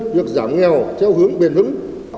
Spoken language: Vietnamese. việc giảm nghèo theo hướng biên hứng